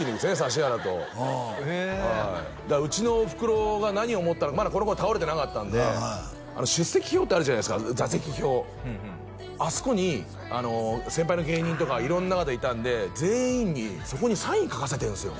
指原とうんへえうちのおふくろが何を思ったのかまだこの頃は倒れてなかったんで出席表ってあるじゃないですか座席表あそこに先輩の芸人とか色んな方がいたんで全員にそこにサイン書かせてんすよ